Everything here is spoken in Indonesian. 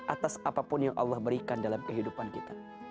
atas apapun yang allah berikan dalam kehidupan kita